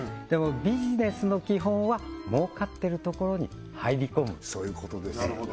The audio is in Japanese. ビジネスの基本は儲かってるところに入り込むそういうことですよね